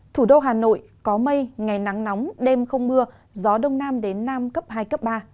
thủ đô hà nội có mây ngày nắng nóng đêm không mưa gió đông nam đến nam cấp hai cấp ba